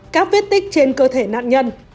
các viết tích trên cơ thể nạn nhân